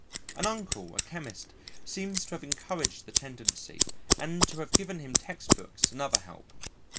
An uncle, a chemist, seems to have encouraged the tendency, and to have given him textbooks and other help.